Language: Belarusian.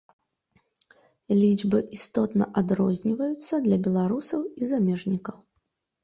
Лічбы істотна адрозніваюцца для беларусаў і замежнікаў.